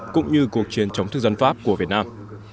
cũng như cuộc chiến chống thức dân pháp của việt nam